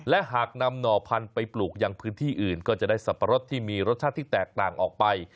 และหากนำหน่อพันธุ์ไปปลูกอย่างพื้นที่อื่นก็จะได้สับปะรดที่มีรสชาติที่แตกต่างออกไป